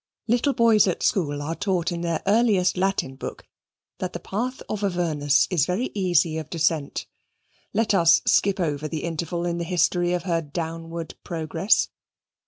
Little boys at school are taught in their earliest Latin book that the path of Avernus is very easy of descent. Let us skip over the interval in the history of her downward progress.